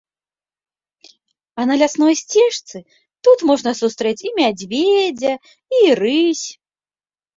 А на лясной сцежцы тут можна сустрэць і мядзведзя, і рысь.